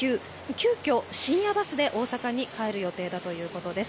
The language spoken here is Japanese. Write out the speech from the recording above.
急きょ、深夜バスで大阪に帰る予定だということです。